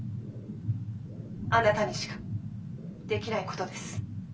あなたにしかできないことです」。